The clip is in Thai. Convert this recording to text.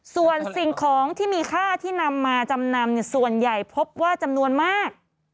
ส่วนสิ่งของที่มีค่าที่นำมาจำนำส่วนใหญ่พบว่าจำนวนมาก